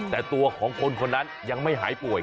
แต่ตัวของคนคนนั้นยังไม่หายป่วย